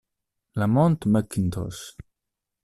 LaMont McIntosh